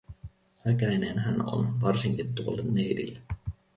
Äkäinen hän on, varsinkin tuolle neidille.